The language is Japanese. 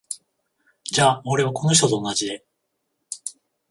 じゃ俺は、この人と同じで。